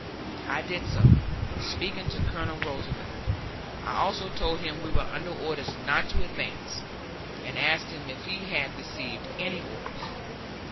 I did so, speaking to Colonel Roosevelt. I also told him we were under orders not to advance, and asked him if he had received any orders.